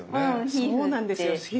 皮膚なんですよ。